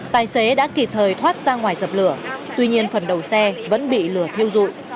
tài xế đã kịp thời thoát ra ngoài dập lửa tuy nhiên phần đầu xe vẫn bị lửa thiêu dụi